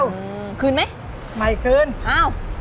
อืมคืนไหมไม่คืนอ้าว